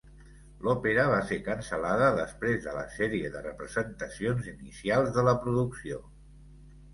L'òpera va ser cancel·lada després de la sèrie de representacions inicials de la producció.